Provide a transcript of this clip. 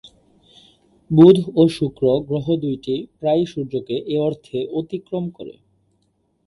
বুধ ও শুক্র গ্রহ দুইটি প্রায়ই সূর্যকে এ অর্থে "অতিক্রম" করে।